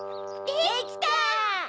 できた！